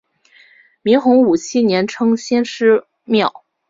明洪武七年称先师庙。